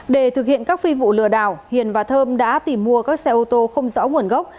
để thực hiện các phi vụ lừa đảo hiền và thơm đã tìm mua các xe ô tô không rõ nguồn gốc